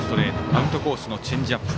アウトコースのチェンジアップ。